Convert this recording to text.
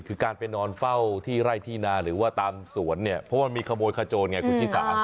คือการไปนอนเฝ้าที่ไร่ที่นาหรือว่าตามสวนเนี่ยเพราะว่ามีขโมยขโจนไงคุณชิสา